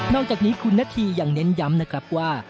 อกจากนี้คุณนาธียังเน้นย้ำนะครับว่า